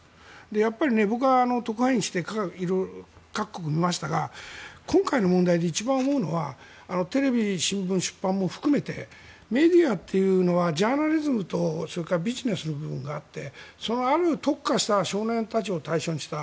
やっぱり僕は特派員をして各国にいましたが今回の問題で一番思うのはテレビ、新聞、出版も含めてメディアというのはジャーナリズムとそれからビジネスの部分があってそのある特化した少年たちを対象にした。